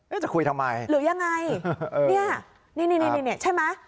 จะคุยทำไมหรือยังไงเนี่ยนี่นี่ใช่ไหม